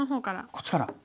こっちから？